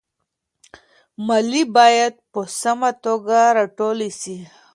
ماليې بايد په سمه توګه راټولي سي.